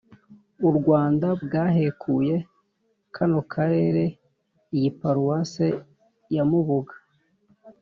u rwanda, bwahekuye kano karere n’iyi paruwasi ya mubuga